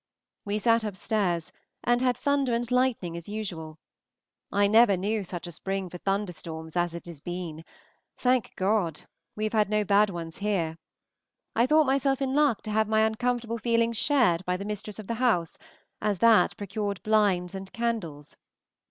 We sat upstairs, and had thunder and lightning as usual. I never knew such a spring for thunderstorms as it has been. Thank God! we have had no bad ones here. I thought myself in luck to have my uncomfortable feelings shared by the mistress of the house, as that procured blinds and candles.